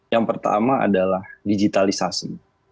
yang pertama adalah digitalisasi